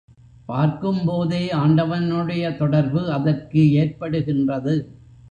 பார்க்கும்போதே ஆண்டவனுடைய தொடர்பு அதற்கு ஏற்படுகின்றது.